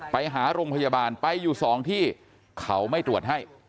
ไปหาโรงพยาบาลไปอยู่สองที่เขาไม่ตรวจให้